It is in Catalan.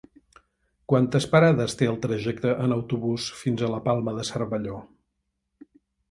Quantes parades té el trajecte en autobús fins a la Palma de Cervelló?